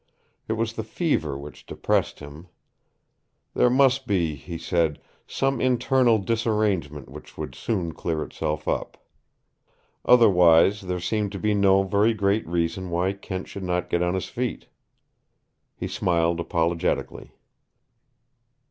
It was the fever which depressed him. There must be, he said, some internal disarrangement which would soon clear itself up. Otherwise there seemed to be no very great reason why Kent should not get on his feet. He smiled apologetically.